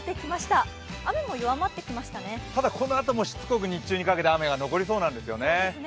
ただこのあともしつこく日中にかけて雨が残りそうなんですよね。